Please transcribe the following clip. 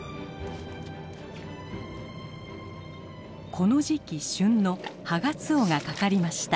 この時期旬のハガツオがかかりました。